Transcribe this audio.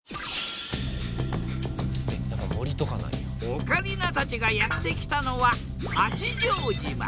オカリナたちがやって来たのは八丈島。